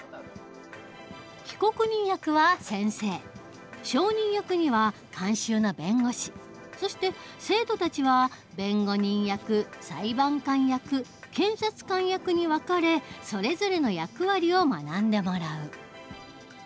被告人役は先生証人役には監修の弁護士そして生徒たちは弁護人役裁判官役検察官役に分かれそれぞれの役割を学んでもらう。